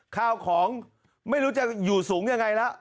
ข้าวของไม่รู้จะอยู่สูงยังไงละ